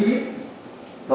cái việc này